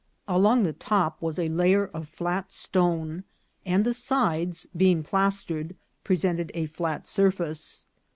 Along the top was a layer of flat stone, and the sides, being plas tered, presented a flat surface.